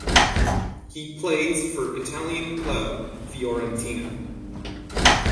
He plays for Italian club Fiorentina.